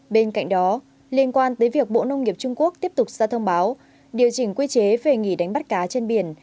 bên cạnh đó liên quan tới việc bộ nông nghiệp trung quốc tiếp tục ra thông báo điều chỉnh quy chế về nghỉ đánh bắt cá trên biển